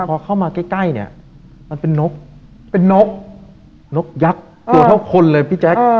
พอเข้ามาใกล้เนี่ยมันเป็นนกเป็นนกนกยักษ์ตัวเท่าคนเลยพี่แจ๊ค